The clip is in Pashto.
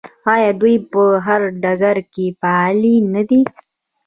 آیا دوی په هر ډګر کې فعالې نه دي؟